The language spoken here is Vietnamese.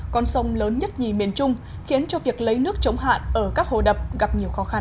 con sông lớn nhất nhì miền trung khiến cho việc lấy nước chống hạn ở các hồ đập gặp nhiều khó khăn